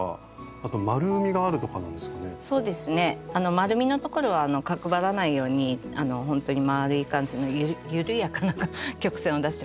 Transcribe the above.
まるみのところは角張らないようにほんとにまるい感じの緩やかな曲線を出してますね。